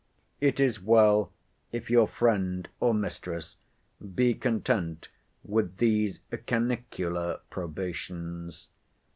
It is well if your friend, or mistress, be content with these canicular probations.